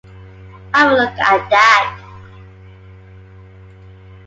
Have a look at that.